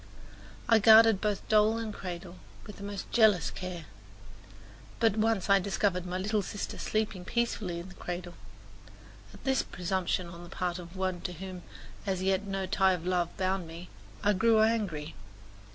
I guarded both doll and cradle with the most jealous care; but once I discovered my little sister sleeping peacefully in the cradle. At this presumption on the part of one to whom as yet no tie of love bound me I grew angry.